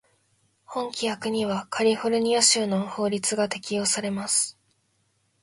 本規約にはカリフォルニア州の法律が適用されます。